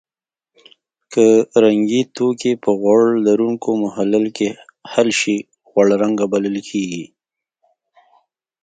که رنګي توکي په غوړ لرونکي محلل کې حل شي غوړ رنګ بلل کیږي.